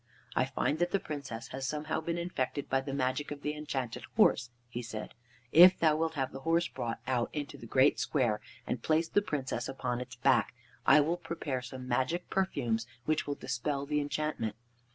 "I find that the Princess has somehow been infected by the magic of the Enchanted Horse," he said. "If thou wilt have the horse brought out into the great square, and place the Princess upon its back, I will prepare some magic perfumes which will dispel the enchantment.